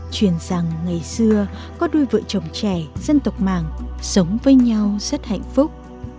truyền rằng ngày xưa có đôi vợ chồng trẻ dân tộc mạng sống với nhau rất hạnh phúc